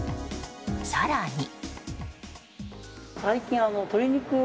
更に。